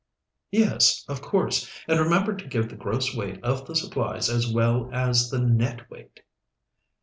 "Yes, of course. And remember to give the gross weight of the supplies as well as the net weight."